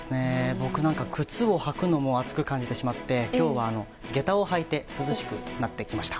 僕なんか靴を履くのも暑く感じてしまって今日はげたを履いて涼しくなってきました。